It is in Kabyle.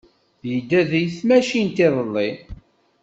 Yedda d tmacint iḍelli.